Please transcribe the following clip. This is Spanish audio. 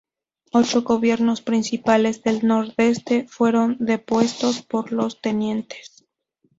Ocho gobiernos provinciales del Nordeste fueron depuestos por los tenientes.